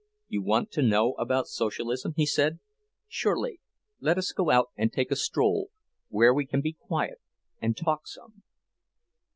"You want to know about Socialism?" he said. "Surely. Let us go out and take a stroll, where we can be quiet and talk some."